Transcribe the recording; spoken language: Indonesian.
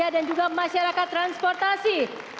dan juga masyarakat transportasi